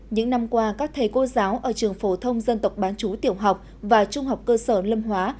những năm qua các thầy cô giáo ở trường phổ thông dân tộc bán chú tiểu học và trung học cơ sở lâm hóa